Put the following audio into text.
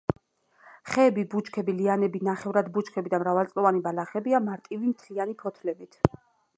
ხეები, ბუჩქები, ლიანები, ნახევრად ბუჩქები და მრავალწლოვანი ბალახებია მარტივი მთლიანი ფოთლებით.